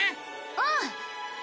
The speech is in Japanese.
うん！